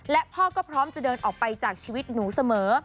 และพ่อก็พร้อมจะเดินออกไปจากชีวิตหนูเสมอ